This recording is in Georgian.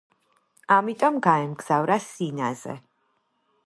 ამიტომ გაემგზავრა სინაზე.